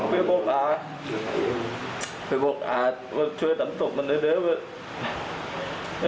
ไปพุกอาเพื่อพุกอาเพื่อช่วยสำภัยมันเยอะว่า